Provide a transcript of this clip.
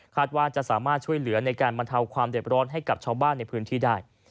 ว่าจะสามารถช่วยเหลือในการบรรเทาความเด็บร้อนให้กับชาวบ้านในพื้นที่ได้